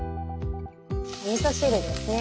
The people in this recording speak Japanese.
おみそ汁ですね。